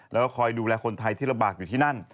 แล้วก็คอยดูแลคนไทยที่ลำบากอยู่ที่นั่น